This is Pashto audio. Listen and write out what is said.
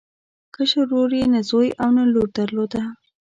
کشر ورور یې نه زوی او نه لور درلوده.